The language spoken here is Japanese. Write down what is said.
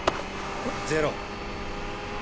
ゼロ。